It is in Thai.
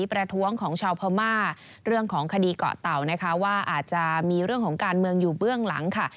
ประท้วงของชาวพม่าเรื่องของคดีเกาะเต่านะคะว่าอาจจะมีเรื่องของการเมืองอยู่เบื้องหลังค่ะ